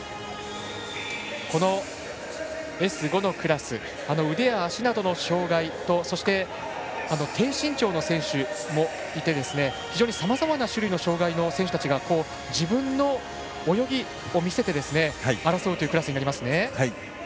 Ｓ５のクラス腕や足などの障がいとそして、低身長の選手もいて非常にさまざまな種類の障がいの選手が自分の泳ぎを見せて争うというクラスになりますね。